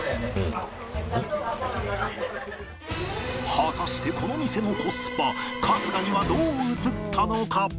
果たしてこの店のコスパ春日にはどう映ったのか？